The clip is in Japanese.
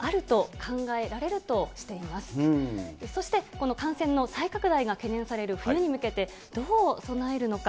そしてこの感染の再拡大が懸念される冬に向けて、どう備えるのか。